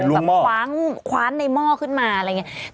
เป็นลุงหม้อคว้านในหม้อขึ้นมาอะไรอย่างนี้